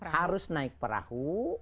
harus naik perahu